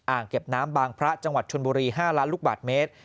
เก็บน้ำบางพระจังหวัดชนบุรี๕ล้านลูกบาทเมตร